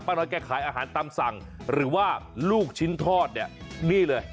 น้อยแกขายอาหารตามสั่งหรือว่าลูกชิ้นทอดเนี่ยนี่เลย